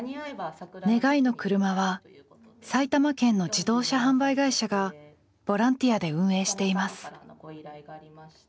「願いのくるま」は埼玉県の自動車販売会社がボランティアで運営しています。